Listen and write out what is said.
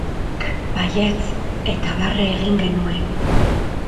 Nik, baietz, eta barre egin genuen.